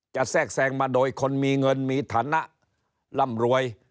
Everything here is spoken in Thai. แทรกแทรงมาโดยคนมีเงินมีฐานะร่ำรวย